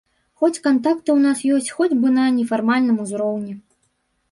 Хоць кантакты ў нас ёсць, хоць бы на нефармальным узроўні.